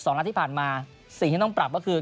นัดที่ผ่านมาสิ่งที่ต้องปรับก็คือ